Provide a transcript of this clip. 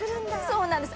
そうなんです。